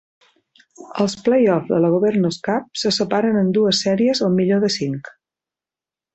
Els "play-offs" de la Governor's Cup se separen en dues sèries al millor de cinc.